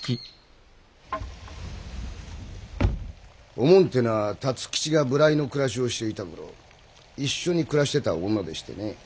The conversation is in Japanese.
おもんってのは辰吉が無頼の暮らしをしていたころ一緒に暮らしてた女でしてね。